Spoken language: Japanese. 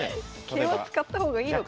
桂馬使った方がいいのか？